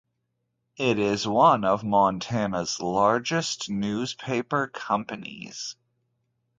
It's one of Montana's largest newspaper companies.